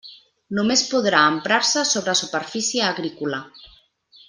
Només podrà emprar-se sobre superfície agrícola.